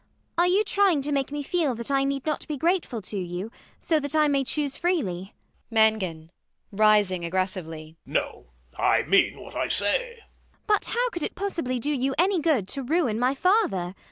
Are you trying to make me feel that I need not be grateful to you, so that I may choose freely? MANGAN [rising aggressively]. No. I mean what I say. ELLIE. But how could it possibly do you any good to ruin my father?